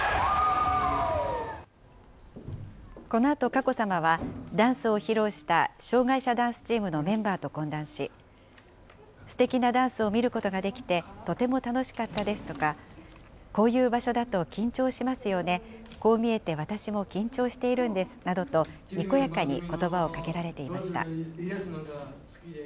このあと佳子さまは、ダンスを披露した障害者ダンスチームのメンバーと懇談し、すてきなダンスを見ることができて、とても楽しかったですとか、こういう場所だと緊張しますよね、こう見えて私も緊張しているんですなどと、にこやかにことばをかけられていました。